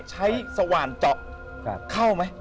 สว่านเจาะเข้าไหม